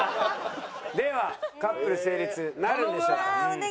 ではカップル成立なるんでしょうか？